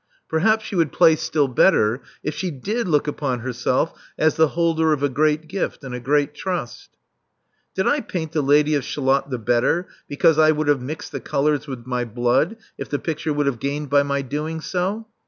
'' Perhaps she would play still better if she did look upon herself as the holder of a great gift and a great trust.'* Did I paint the Lady of Shalott the better because I would have mixed the colors with my blood if the picture would have gained by my doing so?